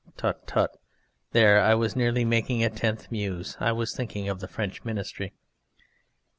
(Tut, tut! There I was nearly making a tenth Muse! I was thinking of the French Ministry.)